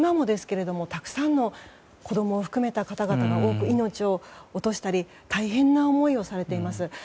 今も、たくさんの子供を含めた方々が多く命を落としたり大変な思いをされています。